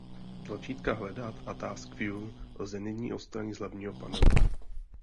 Tlačítka Hledat a Task View lze nyní odstranit z Hlavního panelu.